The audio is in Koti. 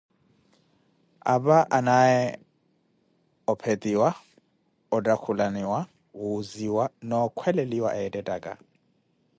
Apa anaaye ophetiwa, ottakhulaniwa, wuuziya na okholeliwa eettettaka.